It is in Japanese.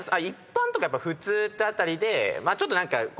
「一般」とか「普通」って辺りでまあちょっと何か。